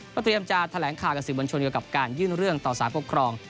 ก็เตรียมจากแถลงข่าวกับสินบัญชนกับการยื่นเรื่องต่อสารปกครอง